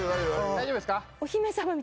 大丈夫ですか？